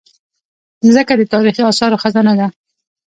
مځکه د تاریخي اثارو خزانه ده.